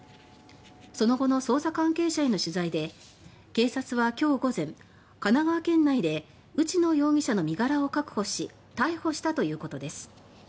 その後の捜査関係者への取材で警察は今日午前、神奈川県内で内野容疑者の身柄を確保し逮捕したということです。